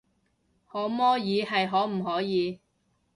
可摸耳係可唔可以